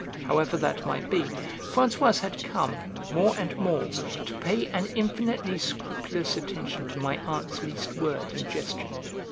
However that might be, Françoise had come, more and more, to pay an infinitely scrupulous attention to my aunt's least word and gesture.